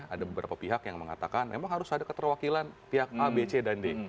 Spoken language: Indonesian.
ada beberapa pihak yang mengatakan memang harus ada keterwakilan pihak a b c dan d